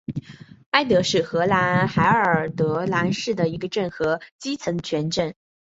埃德是荷兰海尔德兰省的一个镇和基层政权。